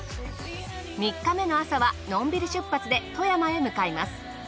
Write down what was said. ３日目の朝はのんびり出発で富山へ向かいます。